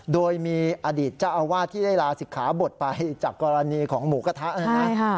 โดยมีอดีตเจ้าอาวาสที่ได้ลาศิกขาบทไปจากกรณีของหมูกระทะนะครับ